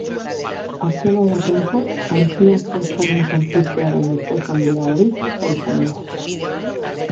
Arkeologo batentzat aintzinako aztarnak aurkitzea baino poz handiagorik ez da izango.